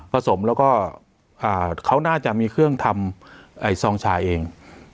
สมแล้วก็เขาน่าจะมีเครื่องทำซองชาเอง